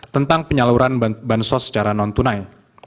tentang penyaluran bansos secara non tunai